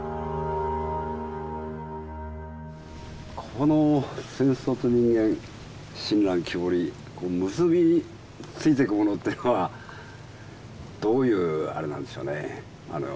この「戦争と人間」親鸞木彫り結び付いていくものというのはどういうあれなんでしょうね？